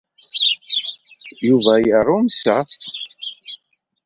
Yuba yerrumsa.